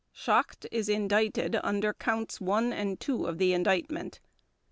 SCHACHT Schacht is indicted under Counts One and Two of the Indictment.